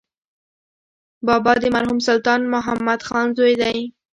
بابا د مرحوم سلطان محمد خان زوی دی.